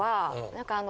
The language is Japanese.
何かあの。